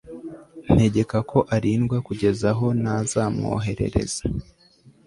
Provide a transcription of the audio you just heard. ntegeka ko arindwa kugeza aho nazamwoherereza